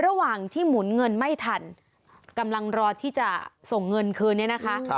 ระหว่างที่หมุนเงินไม่ทันกำลังรอที่จะส่งเงินคืนเนี่ยนะคะ